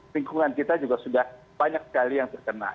lingkungan kita juga sudah banyak sekali yang terkena